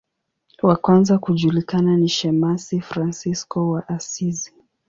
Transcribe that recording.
Wa kwanza kujulikana ni shemasi Fransisko wa Asizi.